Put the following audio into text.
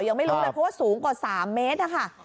หรือยังไม่รู้แต่เพราะสูงกว่า๓เมตรค่ะ